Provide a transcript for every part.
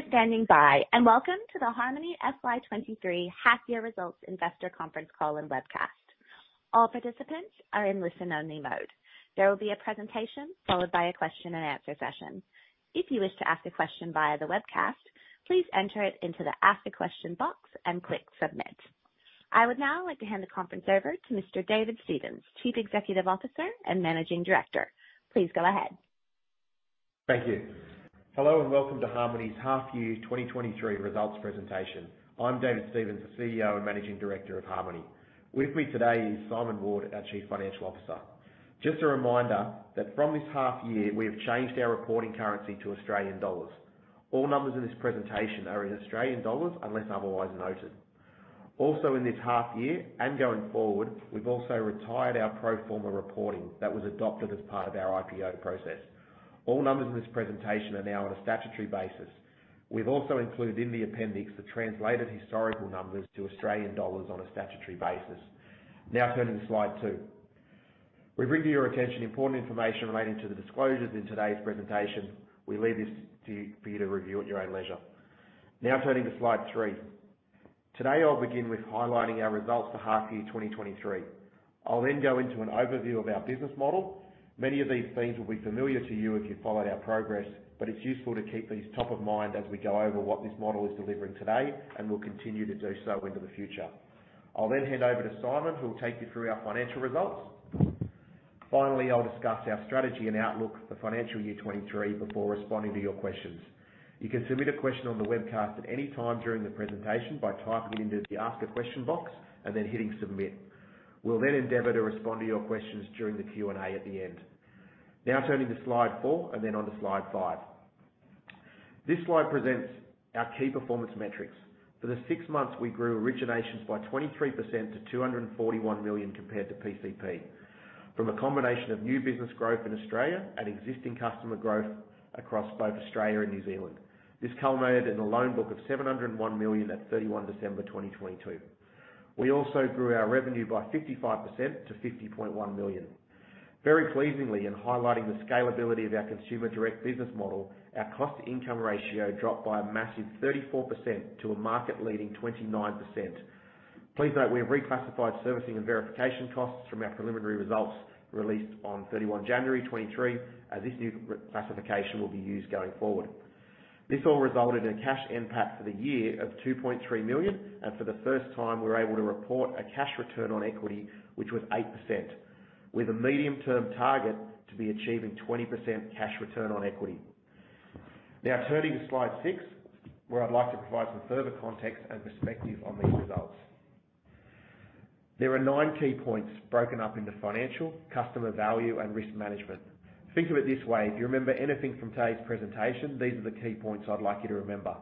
Thank you for standing by, and welcome to the Harmoney FY 2023 half year results investor conference call and webcast. All participants are in listen only mode. There will be a presentation followed by a question and answer session. If you wish to ask a question via the webcast, please enter it into the Ask a Question box and click Submit. I would now like to hand the conference over to Mr. David Stevens, Chief Executive Officer and Managing Director. Please go ahead. Thank you. Hello, welcome to Harmoney's half year 2023 results presentation. I'm David Stevens, the CEO and Managing Director of Harmoney. With me today is Simon Ward, our Chief Financial Officer. Just a reminder that from this half year, we have changed our reporting currency to Australian dollars. All numbers in this presentation are in Australian dollars unless otherwise noted. Also in this half year, and going forward, we've also retired our pro forma reporting that was adopted as part of our IPO process. All numbers in this presentation are now on a statutory basis. We've also included in the appendix the translated historical numbers to Australian dollars on a statutory basis. Now turning to slide two. We bring to your attention important information relating to the disclosures in today's presentation. We leave this for you to review at your own leisure. Now turning to slide three. Today, I'll begin with highlighting our results for half year 2023. I'll go into an overview of our business model. Many of these themes will be familiar to you if you followed our progress, it's useful to keep these top of mind as we go over what this model is delivering today, and will continue to do so into the future. I'll hand over to Simon, who will take you through our financial results. Finally, I'll discuss our strategy and outlook for financial year 2023 before responding to your questions. You can submit a question on the webcast at any time during the presentation by typing it into the Ask a Question box hitting Send Submit. We'll endeavor to respond to your questions during the Q&A at the end. Turning to slide four, onto slide five. This slide presents our key performance metrics. For the six months, we grew originations by 23% to 241 million compared to PCP from a combination of new business growth in Australia and existing customer growth across both Australia and New Zealand. This culminated in a loan book of 701 million at 31 December 2022. We also grew our revenue by 55% to 50.1 million. Very pleasingly, in highlighting the scalability of our consumer direct business model, our cost-income ratio dropped by a massive 34% to a market-leading 29%. Please note we have reclassified servicing and verification costs from our preliminary results released on 31 January 2023, as this new classification will be used going forward. This all resulted in a cash NPAT for the year of 2.3 million. For the first time, we're able to report a cash return on equity, which was 8%, with a medium term target to be achieving 20% cash return on equity. Turning to slide six, where I'd like to provide some further context and perspective on these results. There are nine key points broken up into financial, customer value, and risk management. Think of it this way, if you remember anything from today's presentation, these are the key points I'd like you to remember.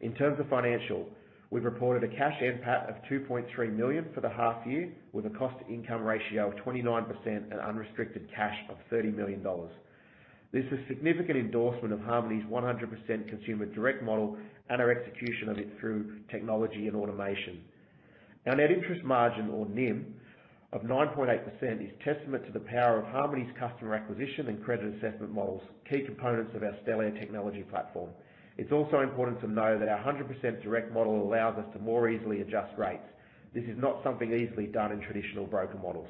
In terms of financial, we've reported a cash NPAT of 2.3 million for the half year, with a cost-income ratio of 29% and unrestricted cash of 30 million dollars. This is significant endorsement of Harmoney's 100% consumer direct model and our execution of it through technology and automation. Our Net Interest Margin, or NIM, of 9.8% is testament to the power of Harmoney's customer acquisition and credit assessment models, key components of our Stellare® technology platform. It's also important to know that our 100% direct model allows us to more easily adjust rates. This is not something easily done in traditional broker models.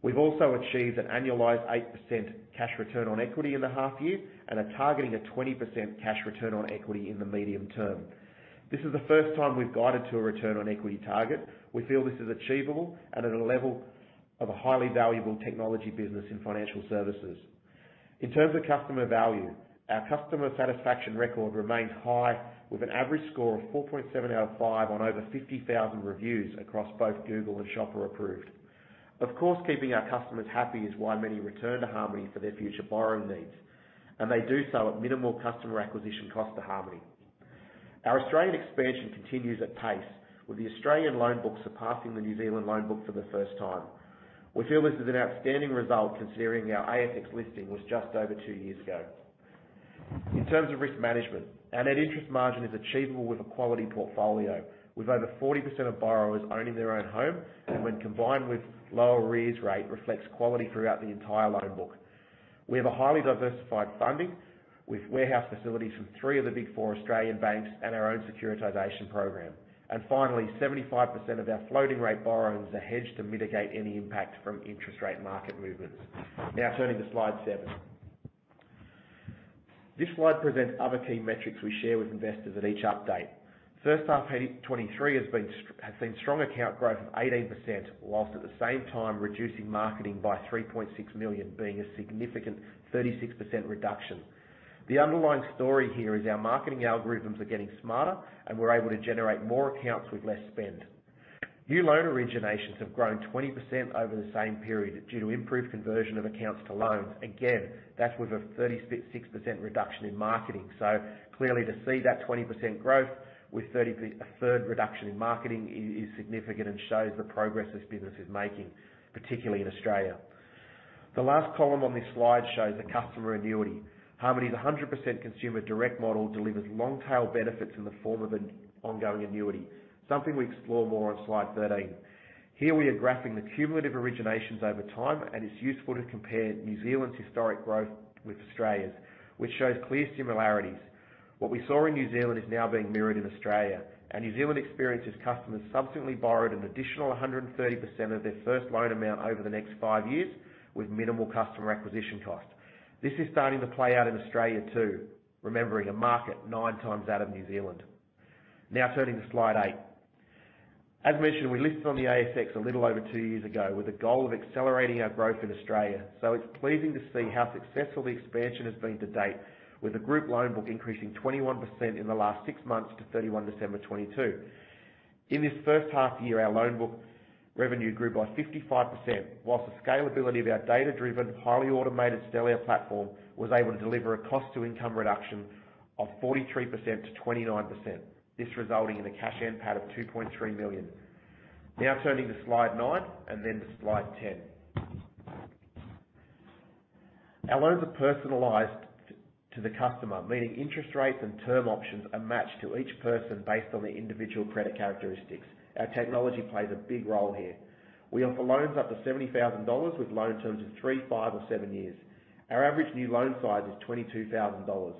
We've also achieved an annualized 8% cash return on equity in the half year. Are targeting a 20% cash return on equity in the medium term. This is the first time we've guided to a Return on Equity target. We feel this is achievable and at a level of a highly valuable technology business in financial services. In terms of customer value, our customer satisfaction record remains high, with an average score of 4.7 out of five on over 50,000 reviews across both Google and Shopper Approved. Of course, keeping our customers happy is why many return to Harmoney for their future borrowing needs, and they do so at minimal customer acquisition cost to Harmoney. Our Australian expansion continues at pace, with the Australian loan book surpassing the New Zealand loan book for the first time. We feel this is an outstanding result, considering our ASX listing was just over two years ago. In terms of risk management, our Net Interest Margin is achievable with a quality portfolio, with over 40% of borrowers owning their own home, and when combined with lower arrears rate, reflects quality throughout the entire loan book. We have a highly diversified funding, with warehouse facilities from three of the Big Four Australian banks and our own securitization program. Finally, 75% of our floating rate borrowings are hedged to mitigate any impact from interest rate market movements. Turning to slide seven. This slide presents other key metrics we share with investors at each update. First half FY 2023 has seen strong account growth of 18%, whilst at the same time reducing marketing by 3.6 million, being a significant 36% reduction. The underlying story here is our marketing algorithms are getting smarter, and we're able to generate more accounts with less spend. New loan originations have grown 20% over the same period due to improved conversion of accounts to loans. Again, that's with a 36% reduction in marketing. Clearly, to see that 20% growth with a third reduction in marketing is significant and shows the progress this business is making, particularly in Australia. The last column on this slide shows the customer annuity. Harmoney's 100% consumer direct model delivers long tail benefits in the form of an ongoing annuity, something we explore more on slide 13. Here, we are graphing the cumulative originations over time, it's useful to compare New Zealand's historic growth with Australia's, which shows clear similarities. What we saw in New Zealand is now being mirrored in Australia. Our New Zealand experiences customers subsequently borrowed an additional 130% of their first loan amount over the next five years with minimal customer acquisition costs. This is starting to play out in Australia too. Remembering a market nine times out of New Zealand. Turning to slide eight. As mentioned, we listed on the ASX a little over two years ago with a goal of accelerating our growth in Australia. It's pleasing to see how successful the expansion has been to date with a group loan book increasing 21% in the last six months to December 31, 2022. In this first half year, our loan book revenue grew by 55%, whilst the scalability of our data-driven, highly automated Stellare platform was able to deliver a cost-to-income reduction of 43% to 29%, this resulting in a Cash NPAT of $2.3 million. Turning to slide nine and then to slide 10. Our loans are personalized to the customer, meaning interest rates and term options are matched to each person based on their individual credit characteristics. Our technology plays a big role here. We offer loans up to 70,000 dollars with loan terms of three, five or seven years. Our average new loan size is 22,000 dollars.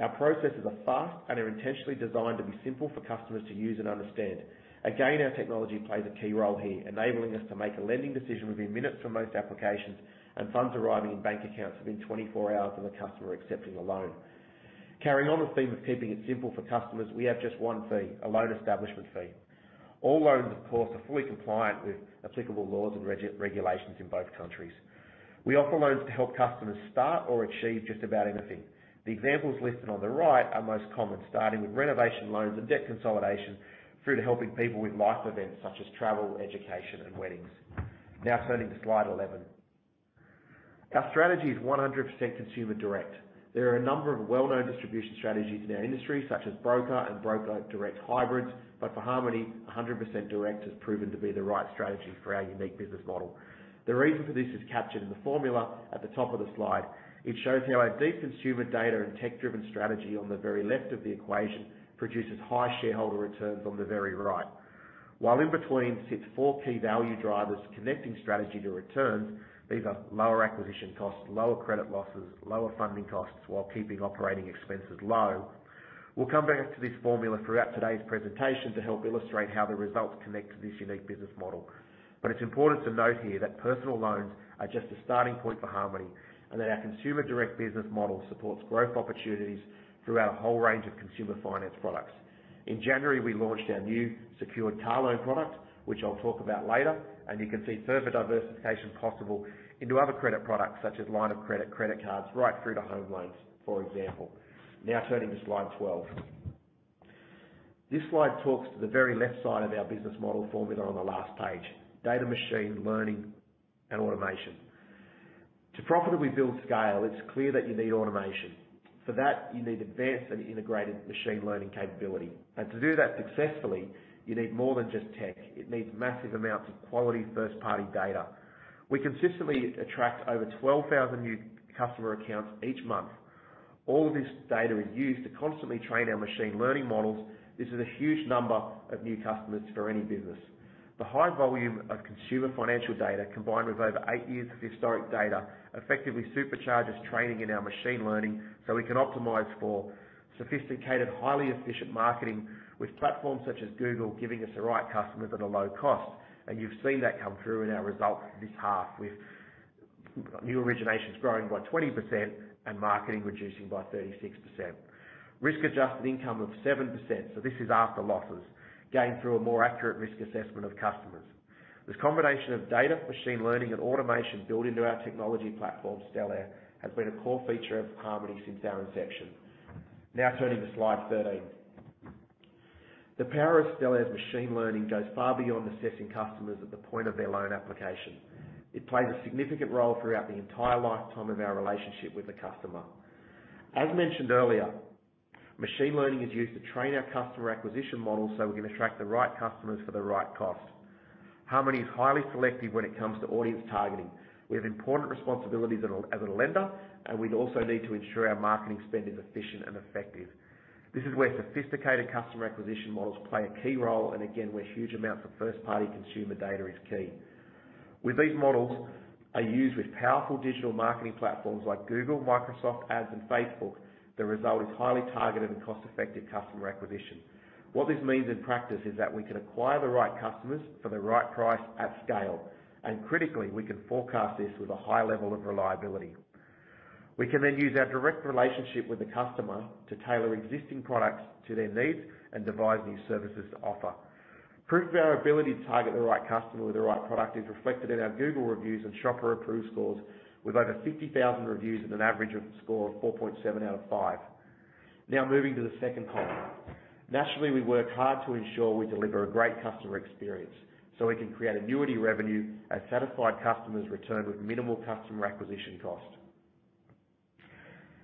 Our processes are fast and are intentionally designed to be simple for customers to use and understand. Again, our technology plays a key role here, enabling us to make a lending decision within minutes from most applications and funds arriving in bank accounts within 24 hours of the customer accepting a loan. Carrying on the theme of keeping it simple for customers, we have just one fee, a loan establishment fee. All loans, of course, are fully compliant with applicable laws and regulations in both countries. We offer loans to help customers start or achieve just about anything. The examples listed on the right are most common, starting with renovation loans and debt consolidation, through to helping people with life events such as travel, education and weddings. Turning to slide 11. Our strategy is 100% consumer direct. There are a number of well-known distribution strategies in our industry, such as broker and broker-direct hybrids, but for Harmoney, 100% direct has proven to be the right strategy for our unique business model. The reason for this is captured in the formula at the top of the slide. It shows how our deep consumer data and tech-driven strategy on the very left of the equation produces high shareholder returns on the very right. In between sits four key value drivers connecting strategy to returns. These are lower acquisition costs, lower credit losses, lower funding costs while keeping operating expenses low. We'll come back to this formula throughout today's presentation to help illustrate how the results connect to this unique business model. It's important to note here that personal loans are just a starting point for Harmoney, and that our consumer direct business model supports growth opportunities through our whole range of consumer finance products. In January, we launched our new secured car loan product, which I'll talk about later, and you can see further diversification possible into other credit products such as line of credit cards, right through to home loans, for example. Turning to slide 12. This slide talks to the very left side of our business model formula on the last page: data, machine learning and automation. To profitably build scale, it's clear that you need automation. For that, you need advanced and integrated machine learning capability. To do that successfully, you need more than just tech. It needs massive amounts of quality first-party data. We consistently attract over 12,000 new customer accounts each month. All this data is used to constantly train our machine learning models. This is a huge number of new customers for any business. The high volume of consumer financial data, combined with over eight years of historic data, effectively supercharges training in our machine learning, so we can optimize for sophisticated, highly efficient marketing with platforms such as Google giving us the right customers at a low cost. You've seen that come through in our results this half with new originations growing by 20% and marketing reducing by 36%. Risk-adjusted income of 7%, so this is after losses, gained through a more accurate risk assessment of customers. This combination of data, machine learning and automation built into our technology platform, Stellare, has been a core feature of Harmoney since our inception. Now turning to slide 13. The power of Stellare's machine learning goes far beyond assessing customers at the point of their loan application. It plays a significant role throughout the entire lifetime of our relationship with the customer. As mentioned earlier, machine learning is used to train our customer acquisition models, so we can attract the right customers for the right cost. Harmoney is highly selective when it comes to audience targeting. We have important responsibilities as a lender, and we'd also need to ensure our marketing spend is efficient and effective. This is where sophisticated customer acquisition models play a key role, and again, where huge amounts of first-party consumer data is key. With these models, are used with powerful digital marketing platforms like Google, Microsoft Advertising and Facebook, the result is highly targeted and cost-effective customer acquisition. What this means in practice is that we can acquire the right customers for the right price at scale, and critically, we can forecast this with a high level of reliability. We can use our direct relationship with the customer to tailor existing products to their needs and devise new services to offer. Proof of our ability to target the right customer with the right product is reflected in our Google reviews and Shopper Approved scores with over 50,000 reviews and an average of score of 4.7 out of five. Moving to the second column. Nationally, we work hard to ensure we deliver a great customer experience, so we can create annuity revenue as satisfied customers return with minimal customer acquisition cost.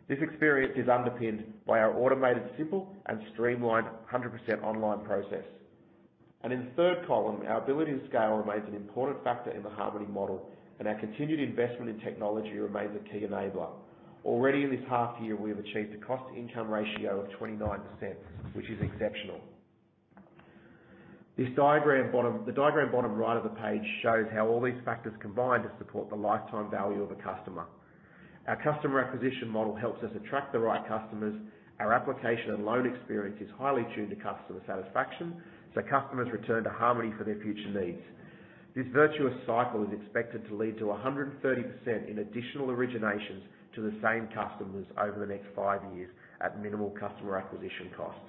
This experience is underpinned by our automated, simple and streamlined 100% online process. In the third column, our ability to scale remains an important factor in the Harmoney model, and our continued investment in technology remains a key enabler. Already in this half year, we have achieved a cost-to-income ratio of 29%, which is exceptional. The diagram bottom right of the page shows how all these factors combine to support the lifetime value of a customer. Our customer acquisition model helps us attract the right customers. Our application and loan experience is highly tuned to customer satisfaction, so customers return to Harmoney for their future needs. This virtuous cycle is expected to lead to 130% in additional originations to the same customers over the next five years at minimal customer acquisition costs.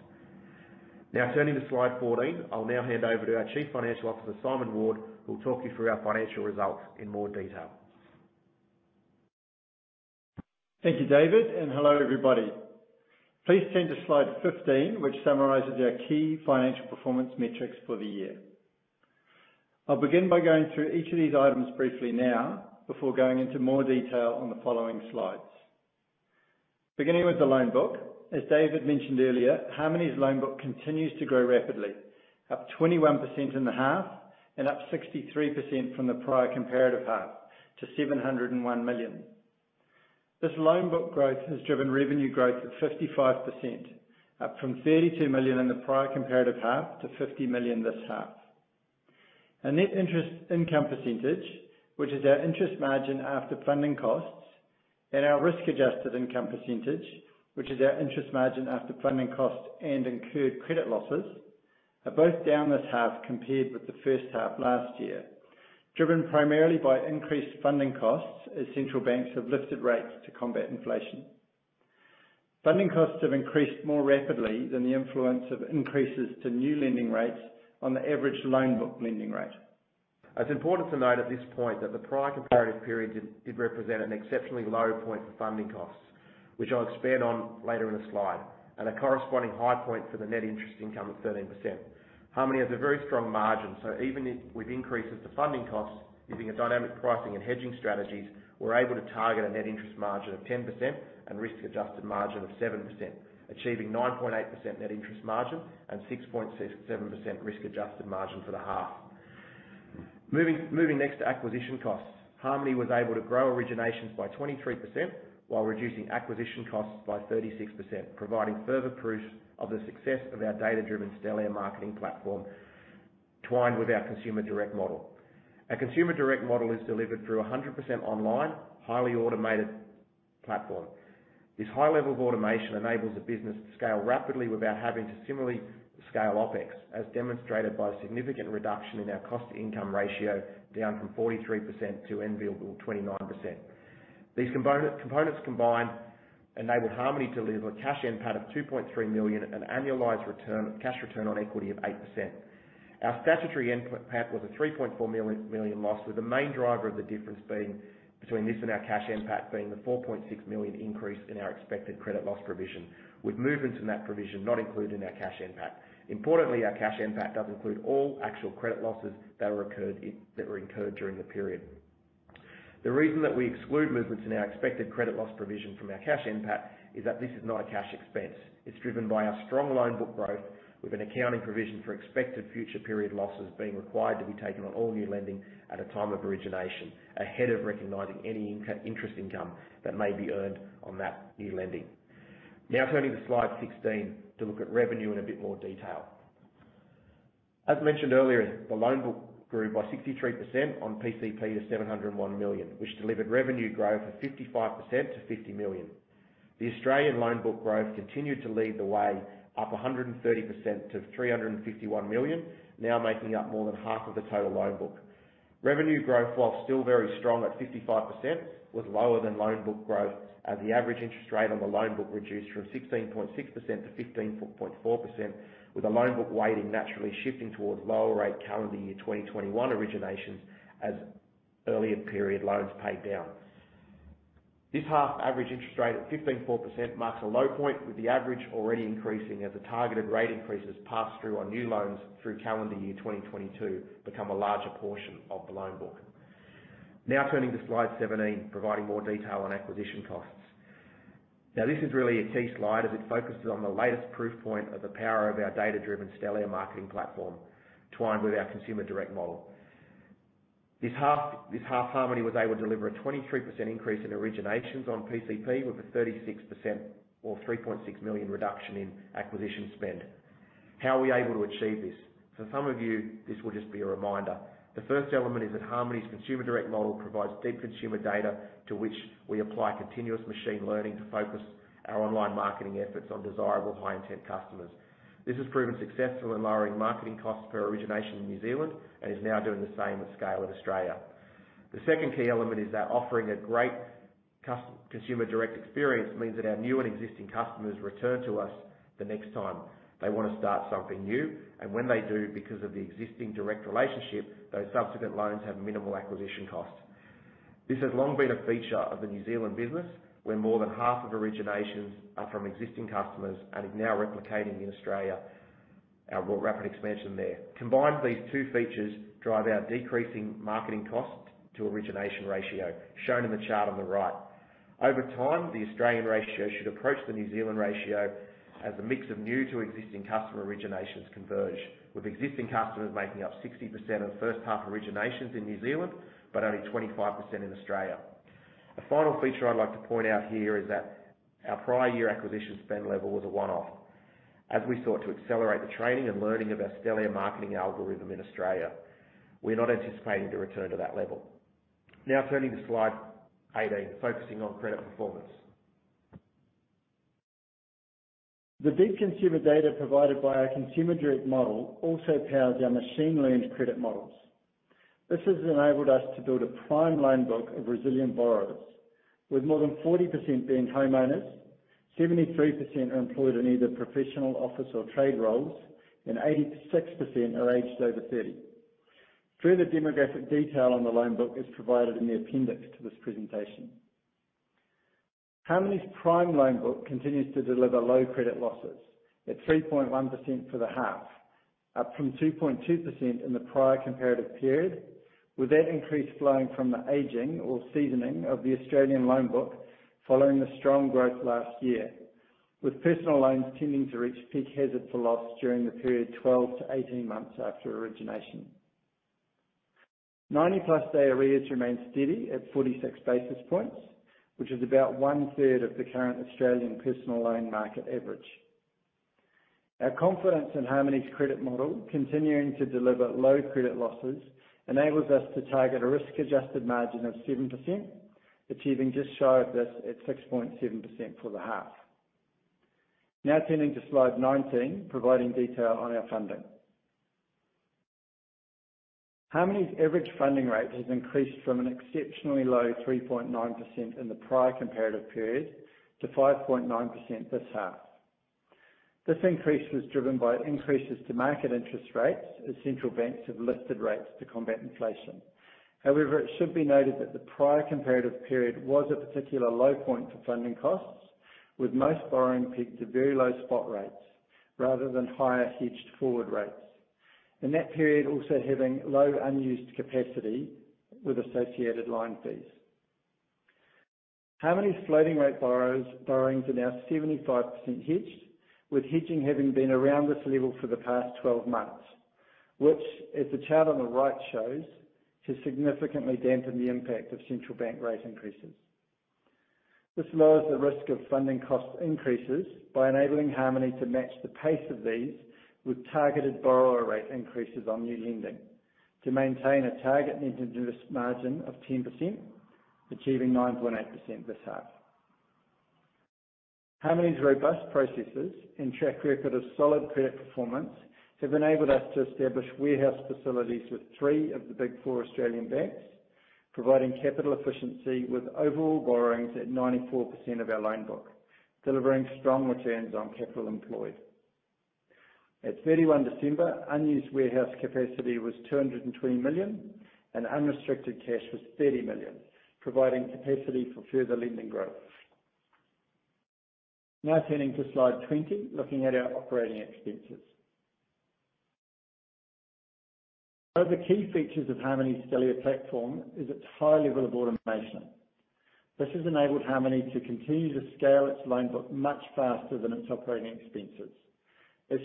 Turning to slide 14. I'll now hand over to our Chief Financial Officer, Simon Ward, who will talk you through our financial results in more detail. Thank you, David, and hello, everybody. Please turn to slide 15, which summarizes our key financial performance metrics for the year. I'll begin by going through each of these items briefly now before going into more detail on the following slides. Beginning with the loan book, as David mentioned earlier, Harmoney's loan book continues to grow rapidly, up 21% in the half and up 63% from the prior comparative half to 701 million. This loan book growth has driven revenue growth of 55%, up from 32 million in the prior comparative half to 50 million this half. Our net interest income percentage, which is our interest margin after funding costs, and our risk-adjusted income percentage, which is our interest margin after funding cost and incurred credit losses, are both down this half compared with the first half last year, driven primarily by increased funding costs as central banks have lifted rates to combat inflation. Funding costs have increased more rapidly than the influence of increases to new lending rates on the average loan book lending rate. It's important to note at this point that the prior comparative period did represent an exceptionally low point for funding costs, which I'll expand on later in the slide, and a corresponding high point for the net interest income of 13%. Harmoney has a very strong margin, so even if with increases to funding costs, using its dynamic pricing and hedging strategies, we're able to target a Net Interest Margin of 10% and risk-adjusted margin of 7%, achieving 9.8% Net Interest Margin and 6.67% risk-adjusted margin for the half. Moving next to acquisition costs. Harmoney was able to grow originations by 23% while reducing acquisition costs by 36%, providing further proof of the success of our data-driven Stellare marketing platform, twined with our consumer direct model. Our consumer direct model is delivered through a 100% online, highly automated platform. This high level of automation enables the business to scale rapidly without having to similarly scale OpEx, as demonstrated by a significant reduction in our cost-to-income ratio, down from 43% to enviable 29%. These components combined enabled Harmoney to deliver Cash NPAT of 2.3 million, an annualized cash return on equity of 8%. Our Statutory NPAT was an 3.4 million loss, with the main driver of the difference being between this and our Cash NPAT being the 4.6 million increase in our expected credit loss provision, with movements in that provision not included in our Cash NPAT. Importantly, our Cash NPAT does include all actual credit losses that were incurred during the period. The reason that we exclude movements in our expected credit loss provision from our Cash NPAT is that this is not a cash expense. It's driven by our strong loan book growth with an accounting provision for expected future period losses being required to be taken on all new lending at a time of origination, ahead of recognizing any interest income that may be earned on that new lending. Turning to slide 16 to look at revenue in a bit more detail. As mentioned earlier, the loan book grew by 63% on PCP to 701 million, which delivered revenue growth of 55% to 50 million. The Australian loan book growth continued to lead the way up 130% to 351 million, now making up more than half of the total loan book. Revenue growth, while still very strong at 55%, was lower than loan book growth as the average interest rate on the loan book reduced from 16.6% to 15.4%, with the loan book weighting naturally shifting towards lower rate calendar year 2021 originations as earlier period loans paid down. This half average interest rate at 15.4% marks a low point, with the average already increasing as the targeted rate increases pass through on new loans through calendar year 2022 become a larger portion of the loan book. Turning to slide 17, providing more detail on acquisition costs. This is really a key slide as it focuses on the latest proof point of the power of our data-driven Stellare marketing platform, twined with our consumer direct model. This half, Harmoney was able to deliver a 23% increase in originations on PCP with a 36% or $3.6 million reduction in acquisition spend. How are we able to achieve this? For some of you, this will just be a reminder. The first element is that Harmoney's consumer direct model provides deep consumer data to which we apply continuous machine learning to focus our online marketing efforts on desirable high-intent customers. This has proven successful in lowering marketing costs per origination in New Zealand and is now doing the same at scale in Australia. The second key element is that offering a great consumer direct experience means that our new and existing customers return to us the next time they want to start something new. When they do, because of the existing direct relationship, those subsequent loans have minimal acquisition costs. This has long been a feature of the New Zealand business, where more than half of originations are from existing customers and is now replicating in Australia, our rapid expansion there. Combined, these two features drive our decreasing marketing cost to origination ratio, shown in the chart on the right. Over time, the Australian ratio should approach the New Zealand ratio as a mix of new to existing customer originations converge, with existing customers making up 60% of first half originations in New Zealand, but only 25% in Australia. The final feature I'd like to point out here is that our prior year acquisition spend level was a one-off. As we sought to accelerate the training and learning of our Stellare marketing algorithm in Australia, we're not anticipating to return to that level. Turning to slide 18, focusing on credit performance. The big consumer data provided by our consumer direct model also powers our machine learned credit models. This has enabled us to build a prime loan book of resilient borrowers, with more than 40% being homeowners, 73% are employed in either professional office or trade roles, and 86% are aged over 30. Further demographic detail on the loan book is provided in the appendix to this presentation. Harmoney's prime loan book continues to deliver low credit losses at 3.1% for the half, up from 2.2% in the prior comparative period, with that increase flowing from the aging or seasoning of the Australian loan book following the strong growth last year, with personal loans tending to reach peak hazard for loss during the period 12 to 18 months after origination. 90-plus area arrears remain steady at 46 basis points, which is about one-third of the current Australian personal loan market average. Our confidence in Harmoney's credit model continuing to deliver low credit losses enables us to target a risk-adjusted margin of 7%, achieving just short of this at 6.7% for the half. Turning to slide 19, providing detail on our funding. Harmoney's average funding rate has increased from an exceptionally low 3.9% in the prior comparative period to 5.9% this half. This increase was driven by increases to market interest rates as central banks have lifted rates to combat inflation. It should be noted that the prior comparative period was a particular low point for funding costs, with most borrowing peaked to very low spot rates rather than higher hedged forward rates. In that period, also having low unused capacity with associated line fees. Harmoney's floating rate borrowers' borrowings are now 75% hedged, with hedging having been around this level for the past 12 months, which, as the chart on the right shows, has significantly dampened the impact of central bank rate increases. This lowers the risk of funding cost increases by enabling Harmoney to match the pace of these with targeted borrower rate increases on new lending to maintain a target Net Interest Margin of 10%, achieving 9.8% this half. Harmoney's robust processes and track record of solid credit performance have enabled us to establish warehouse facilities with three of the Big Four Australian banks, providing capital efficiency with overall borrowings at 94% of our loan book, delivering strong returns on capital employed. At 31 December, unused warehouse capacity was 220 million, and unrestricted cash was 30 million, providing capacity for further lending growth. Turning to slide 20, looking at our operating expenses. One of the key features of Harmoney's Stellare platform is its high level of automation. This has enabled Harmoney to continue to scale its loan book much faster than its operating expenses.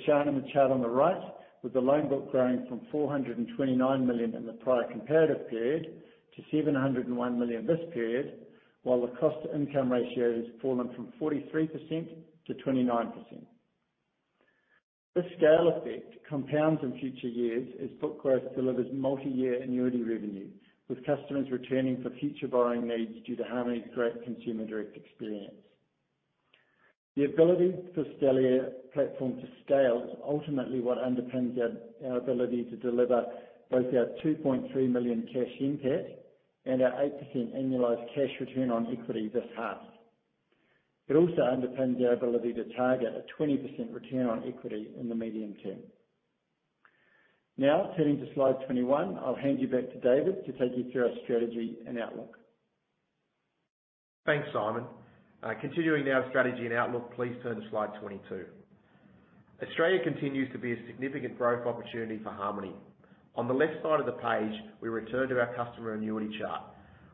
Shown in the chart on the right, with the loan book growing from 429 million in the prior comparative period to 701 million this period, while the cost-to-income ratio has fallen from 43% to 29%. This scale effect compounds in future years as book growth delivers multiyear annuity revenue, with customers returning for future borrowing needs due to Harmoney's great consumer direct experience. The ability for Stellare platform to scale is ultimately what underpins our ability to deliver both our 2.3 million Cash NPAT and our 8% annualized cash return on equity this half. It also underpins our ability to target a 20% return on equity in the medium term. Turning to slide 21, I'll hand you back to David to take you through our strategy and outlook. Thanks, Simon. Continuing now strategy and outlook. Please turn to slide 22. Australia continues to be a significant growth opportunity for Harmoney. On the left side of the page, we return to our customer annuity chart.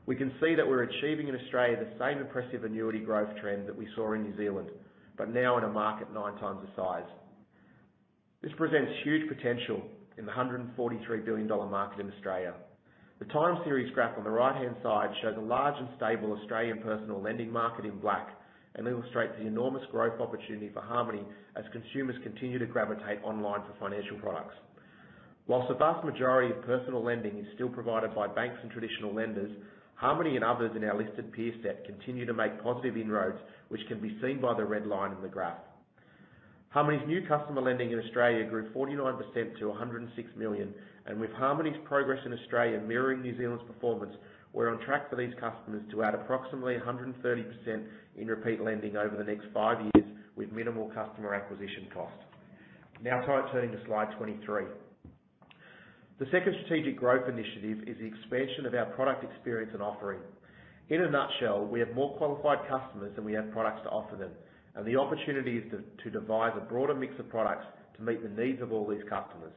We can see that we're achieving in Australia the same impressive annuity growth trend that we saw in New Zealand, now in a market 9 times the size. This presents huge potential in the 143 billion dollar market in Australia. The time series graph on the right-hand side shows a large and stable Australian personal lending market in black and illustrates the enormous growth opportunity for Harmoney as consumers continue to gravitate online for financial products. Whilst the vast majority of personal lending is still provided by banks and traditional lenders, Harmoney and others in our listed peer set continue to make positive inroads, which can be seen by the red line in the graph. Harmoney's new customer lending in Australia grew 49% to 106 million. With Harmoney's progress in Australia mirroring New Zealand's performance, we're on track for these customers to add approximately 130% in repeat lending over the next five years with minimal customer acquisition costs. Now turning to slide 23. The second strategic growth initiative is the expansion of our product experience and offering. In a nutshell, we have more qualified customers than we have products to offer them, the opportunity is to devise a broader mix of products to meet the needs of all these customers.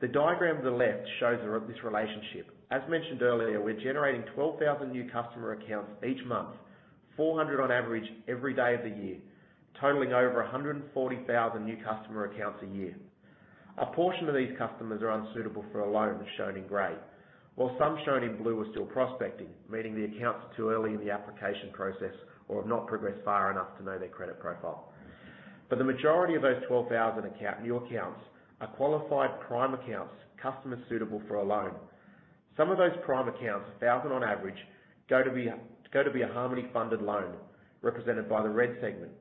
The diagram on the left shows this relationship. As mentioned earlier, we're generating 12,000 new customer accounts each month. Four hundred on average every day of the year, totaling over 140,000 new customer accounts a year. A portion of these customers are unsuitable for a loan, shown in gray, while some shown in blue are still prospecting, meaning the account's too early in the application process or have not progressed far enough to know their credit profile. But the majority of those 12,000 new accounts are qualified prime accounts, customers suitable for a loan. Some of those prime accounts, 1,000 on average, go to be a Harmoney-funded loan, represented by the red segment.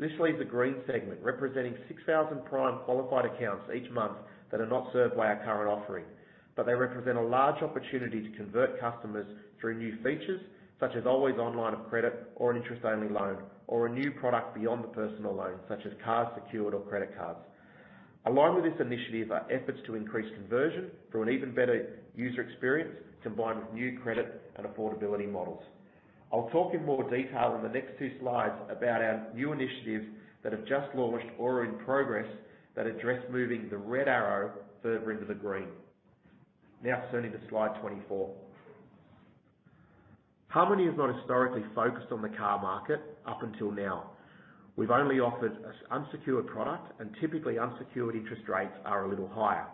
This leaves the green segment, representing 6,000 prime qualified accounts each month that are not served by our current offering, but they represent a large opportunity to convert customers through new features, such as always-on line of credit, or an interest-only loan, or a new product beyond the personal loan, such as car, secured, or credit cards. Along with this initiative are efforts to increase conversion through an even better user experience, combined with new credit and affordability models. I'll talk in more detail in the next two slides about our new initiatives that have just launched or are in progress that address moving the red arrow further into the green. Turning to slide 24. Harmoney has not historically focused on the car market up until now. We've only offered an unsecured product. Typically, unsecured interest rates are a little higher.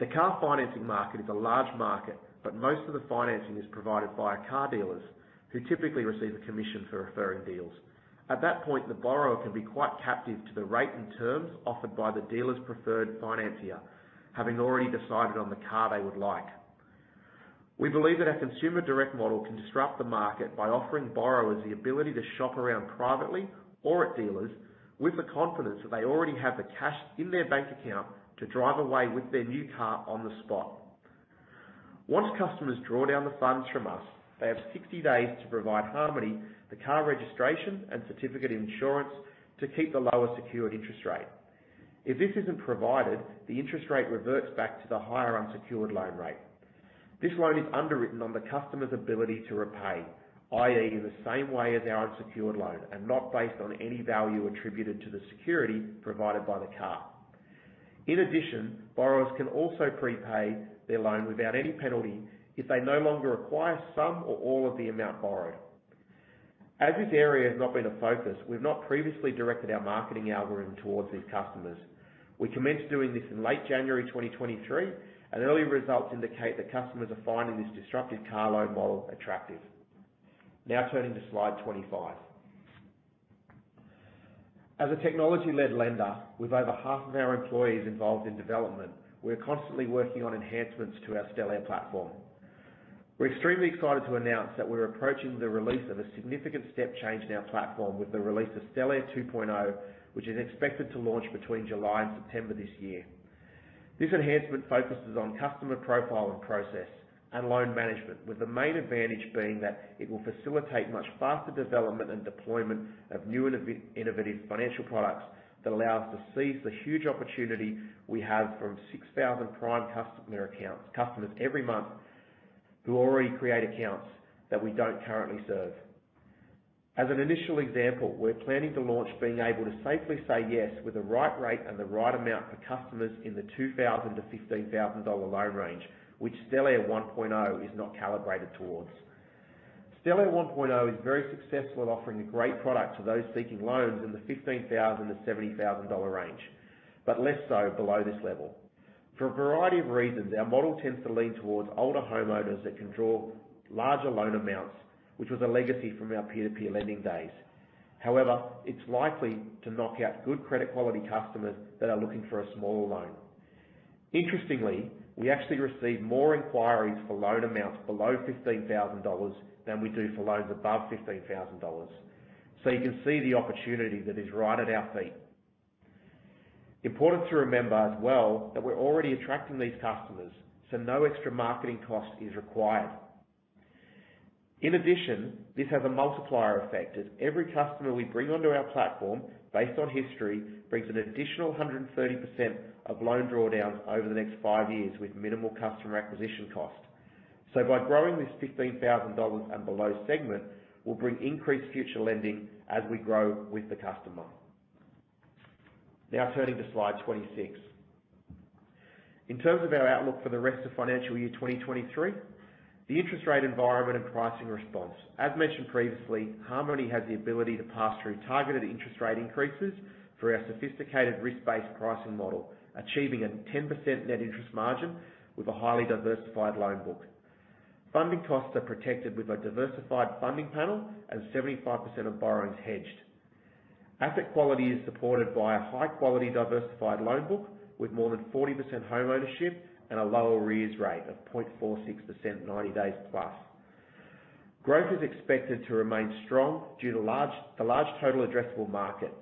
The car financing market is a large market, but most of the financing is provided by car dealers, who typically receive a commission for referring deals. At that point, the borrower can be quite captive to the rate and terms offered by the dealer's preferred financier, having already decided on the car they would like. We believe that our consumer direct model can disrupt the market by offering borrowers the ability to shop around privately or at dealers with the confidence that they already have the cash in their bank account to drive away with their new car on the spot. Once customers draw down the funds from us, they have 60 days to provide Harmoney, the car registration, and certificate of insurance to keep the lower secured interest rate. If this isn't provided, the interest rate reverts back to the higher unsecured loan rate. This loan is underwritten on the customer's ability to repay, i.e., in the same way as our unsecured loan and not based on any value attributed to the security provided by the car. Borrowers can also prepay their loan without any penalty if they no longer require some or all of the amount borrowed. This area has not been a focus, we've not previously directed our marketing algorithm towards these customers. We commenced doing this in late January 2023. Early results indicate that customers are finding this disruptive car loan model attractive. Turning to slide 25. A technology-led lender, with over half of our employees involved in development, we're constantly working on enhancements to our Stellare platform. We're extremely excited to announce that we're approaching the release of a significant step change in our platform with the release of Stellare 2.0, which is expected to launch between July and September this year. This enhancement focuses on customer profile and process and loan management, with the main advantage being that it will facilitate much faster development and deployment of new innovative financial products that allow us to seize the huge opportunity we have from 6,000 prime customers every month who already create accounts that we don't currently serve. As an initial example, we're planning to launch being able to safely say yes with the right rate and the right amount for customers in the 2,000-15,000 dollar loan range, which Stellare 1.0 is not calibrated towards. Stellare® 1.0 is very successful at offering a great product to those seeking loans in the $15,000-70,000 range, less so below this level. For a variety of reasons, our model tends to lean towards older homeowners that can draw larger loan amounts, which was a legacy from our peer-to-peer lending days. However, it's likely to knock out good credit quality customers that are looking for a smaller loan. Interestingly, we actually receive more inquiries for loan amounts below $15,000 than we do for loans above $15,000. You can see the opportunity that is right at our feet. Important to remember as well that we're already attracting these customers, so no extra marketing cost is required. In addition, this has a multiplier effect, as every customer we bring onto our platform, based on history, brings an additional 130% of loan drawdowns over the next five years with minimal customer acquisition cost. By growing this 15,000 dollars and below segment, we'll bring increased future lending as we grow with the customer. Turning to slide 26. In terms of our outlook for the rest of FY 2023, the interest rate environment and pricing response. As mentioned previously, Harmoney has the ability to pass through targeted interest rate increases through our sophisticated risk-based pricing model, achieving a 10% Net Interest Margin with a highly diversified loan book. Funding costs are protected with a diversified funding panel and 75% of borrowings hedged. Asset quality is supported by a high-quality diversified loan book, with more than 40% homeownership and a lower arrears rate of 0.46%, 90 days plus. Growth is expected to remain strong due to the large total addressable market.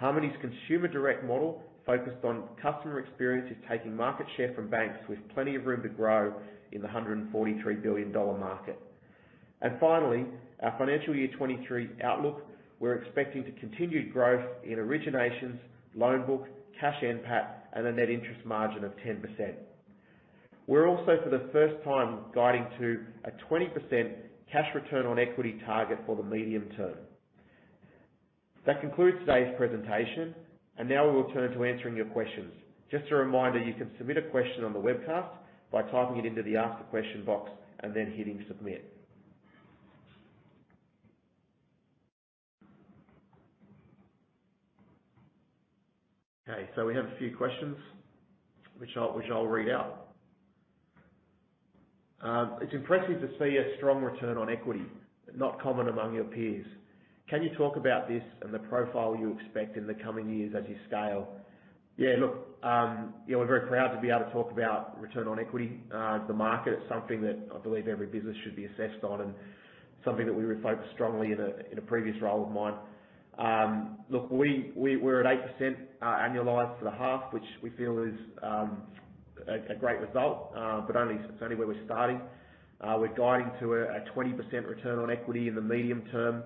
Harmoney's consumer direct model, focused on customer experience, is taking market share from banks with plenty of room to grow in the 143 billion dollar market. Finally, our financial year 2023 outlook, we're expecting to continue growth in originations, loan book, Cash NPAT, and a Net Interest Margin of 10%. We're also, for the first time, guiding to a 20% cash return on equity target for the medium term. That concludes today's presentation. Now we'll turn to answering your questions. Just a reminder, you can submit a question on the webcast by typing it into the Ask a Question box and then hitting Submit. We have a few questions which I'll read out. It's impressive to see a strong return on equity, not common among your peers. Can you talk about this and the profile you expect in the coming years as you scale? Yeah, look, you know, we're very proud to be able to talk about return on equity to the market. It's something that I believe every business should be assessed on and something that we would focus strongly in a previous role of mine. Look, we're at 8% annualized for the half, which we feel is a great result, but it's only where we're starting. We're guiding to a 20% return on equity in the medium term.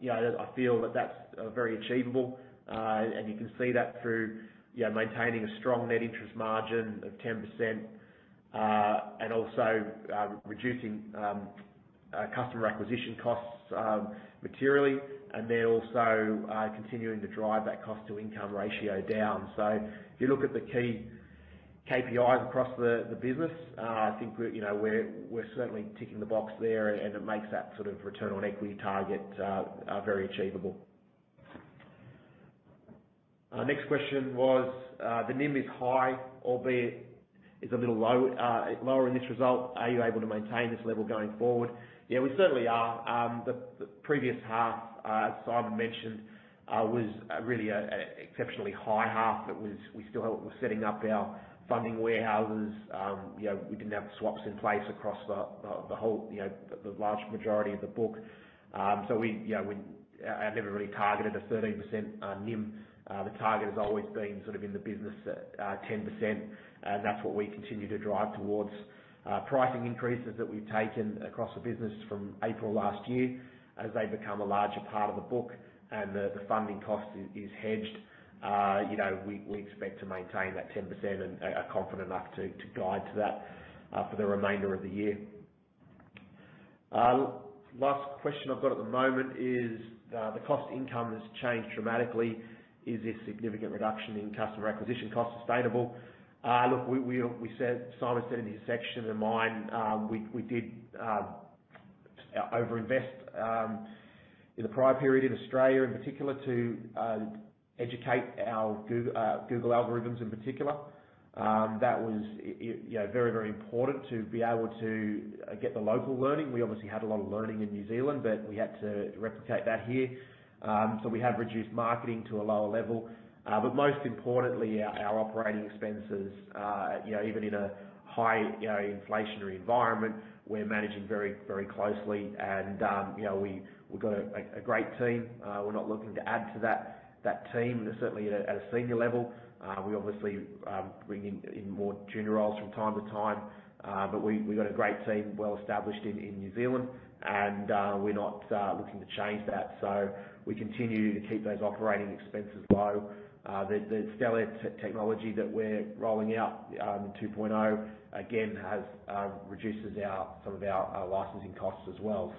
You know, I feel that that's very achievable, and you can see that through, you know, maintaining a strong Net Interest Margin of 10%, and also reducing customer acquisition costs materially, and then also continuing to drive that cost-income ratio down. If you look at the key KPIs across the business, I think we're, you know, we're certainly ticking the box there and it makes that sort of return on equity target very achievable. Next question was, the NIM is high, albeit it's a little low, lower in this result. Are you able to maintain this level going forward? Yeah, we certainly are. The previous half, as Simon mentioned, was really an exceptionally high half. We still were setting up our funding warehouse facilities. You know, we didn't have swaps in place across the whole, you know, the large majority of the book. So we, you know, we have never really targeted a 13% NIM. The target has always been sort of in the business at 10%, and that's what we continue to drive towards. Pricing increases that we've taken across the business from April last year as they become a larger part of the book and the funding cost is hedged. You know, we expect to maintain that 10% and are confident enough to guide to that for the remainder of the year. Last question I've got at the moment is the cost income has changed dramatically. Is this significant reduction in customer acquisition costs sustainable? Look, we said Simon said in his section and mine, we did overinvest in the prior period in Australia in particular to educate our Google algorithms in particular. That was, you know, very, very important to be able to get the local learning. We obviously had a lot of learning in New Zealand, but we had to replicate that here. We have reduced marketing to a lower level. Most importantly our operating expenses, you know, even in a high, you know, inflationary environment, we're managing very, very closely and, you know, we've got a great team. We're not looking to add to that team, certainly at a senior level. We obviously bring in more junior roles from time to time. We've got a great team well-established in New Zealand and we're not looking to change that. We continue to keep those operating expenses low. The Stellare technology that we're rolling out in 2.0 again has reduces our some of our licensing costs as well.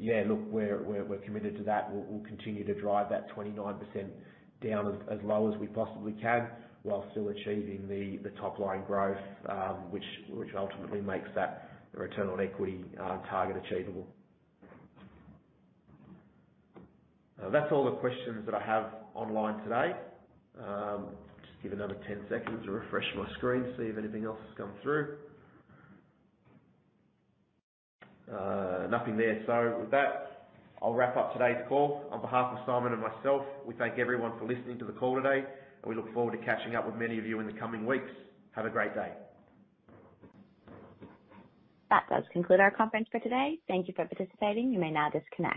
Yeah, look, we're committed to that. We'll continue to drive that 29% down as low as we possibly can while still achieving the top line growth, which ultimately makes the return on equity target achievable. That's all the questions that I have online today. Just give another 10 seconds to refresh my screen, see if anything else has come through. Nothing there. With that, I'll wrap up today's call. On behalf of Simon and myself, we thank everyone for listening to the call today, and we look forward to catching up with many of you in the coming weeks. Have a great day. That does conclude our conference for today. Thank you for participating. You may now disconnect.